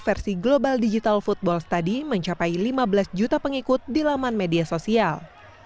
versi global digital football study mencapai lima belas juta pengikut di laman media sosial